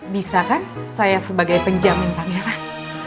bisa kan saya sebagai penjamin pangeran